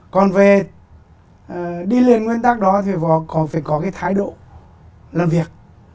còn về đi lên nguyên tắc đó thì phải có cái thái độ làm việc